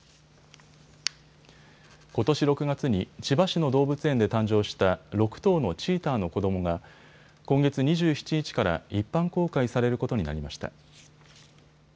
ことし６月に千葉市の動物園で誕生した６頭のチーターの子どもが今月２７日から一般公開されることになりました。